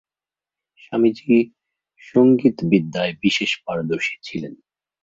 স্বামীজী সঙ্গীত-বিদ্যায় বিশেষ পারদর্শী ছিলেন।